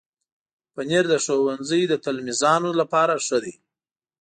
پنېر د ښوونځي د تلمیذانو لپاره ښه ده.